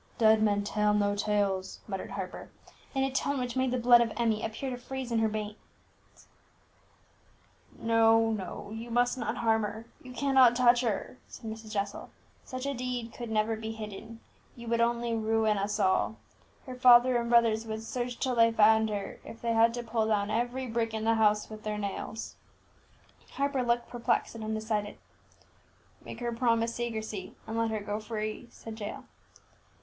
"Dead men tell no tales," muttered Harper, in a tone which made the blood of Emmie appear to freeze in her veins. "No, no; you must not harm her, you cannot touch her," said Mrs. Jessel. "Such a deed could never be hidden; you would only ruin us all. Her father and brothers would search till they found her, if they had to pull down every brick in the house with their nails!" Harper looked perplexed and undecided. "Make her promise secrecy, and let her go free," said Jael.